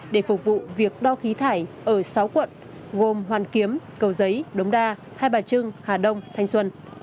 để phục vụ việc đo khí thải ở sáu quận gồm hoàn kiếm cầu giấy đống đa hai bà trưng hà đông thanh xuân